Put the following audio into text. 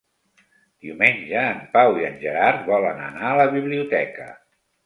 Diumenge en Pau i en Gerard volen anar a la biblioteca.